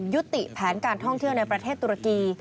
ยุติแผนการท่องเที่ยวในประเทศตุรกี